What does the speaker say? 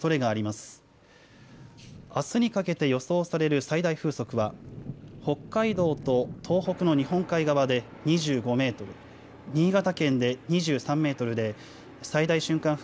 あすにかけて予想される最大風速は北海道と東北の日本海側で２５メートル、新潟県で２３メートルで最大瞬間